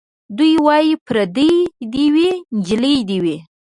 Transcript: دی وايي پرېدۍ دي وي نجلۍ دي وي